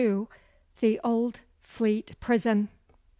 The Old Fleet Prison.